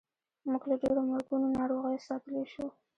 موږ له ډېرو مرګونو ناروغیو ساتلی شو.